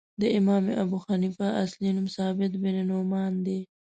د امام ابو حنیفه اصلی نوم ثابت بن نعمان دی .